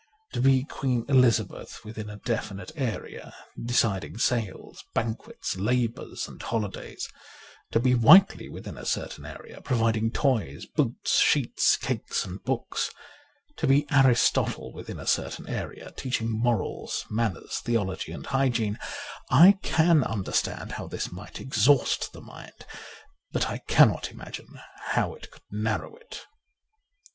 To be Queen Elizabeth within a definite area — deciding sales, banquets, labours, and holidays ; to be Whiteley within a certain area — providing toys, boots, sheets, cakes, and books ; to be Aristotle within a certain area — teaching morals, manners, theology, and hygiene : I can understand how this might exhaust the mind, but I cannot imagine how it could narrow it.